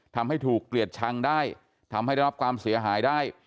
ทำให้ถูกเกลียดชังได้ทำให้ได้รับความเสียหายได้